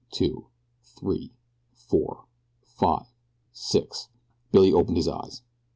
Two. Three. Four. Five. Six. Billy opened his eyes.